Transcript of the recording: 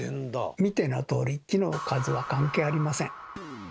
見てのとおり木の数は関係ありません。